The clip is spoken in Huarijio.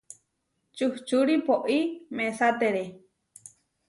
Čuhčuri poʼí mesátere.